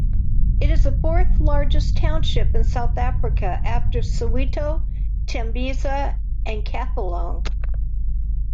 It is the fourth largest township in South Africa, after Soweto, Tembisa and Katlehong.